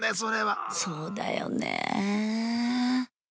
そうだよね。